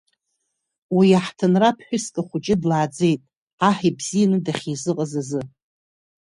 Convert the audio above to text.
Уи иаҳҭынра ԥҳәыск ахәыҷы длааӡеит, аҳ ибзианы дахьизыҟаз азы.